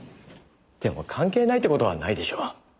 でも関係ないって事はないでしょ。